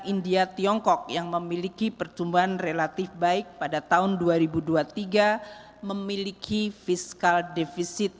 india tiongkok yang memiliki pertumbuhan relatif baik pada tahun dua ribu dua puluh tiga memiliki fiskal defisit